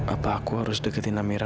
apa aku harus deketin amera